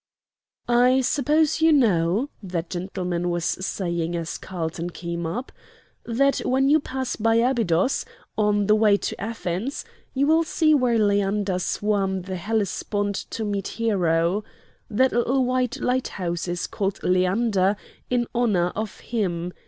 "I suppose you know," that gentleman was saying as Carlton came up, "that when you pass by Abydos, on the way to Athens, you will see where Leander swam the Hellespont to meet Hero. That little white light house is called Leander in honor of him.